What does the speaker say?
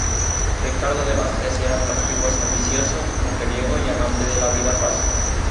Ricardo además de ser atractivo es ambicioso, mujeriego y amante de la vida fácil.